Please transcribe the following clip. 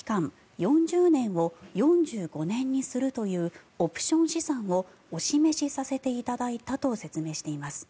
４０年を４５年にするというオプション試算をお示しさせていただいたと説明しています。